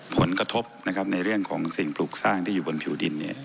ผลกระทบนะครับในเรื่องของสิ่งปลูกสร้างที่อยู่บนผิวดิน